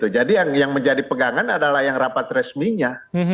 jadi yang menjadi pegangan adalah yang rapat resminya